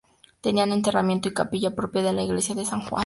Tenían enterramiento y capilla propia en la Iglesia de San Juan.